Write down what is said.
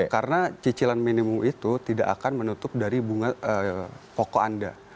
karena cicilan minimum itu tidak akan menutup dari bunga pokok anda